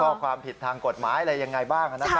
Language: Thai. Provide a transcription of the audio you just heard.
ก็ความผิดทางกฎหมายอะไรยังไงบ้างค่ะนะครับ